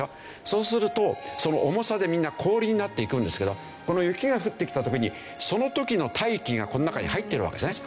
そうするとその重さでみんな氷になっていくんですけど雪が降ってきた時にその時の大気がこの中に入ってるわけですね。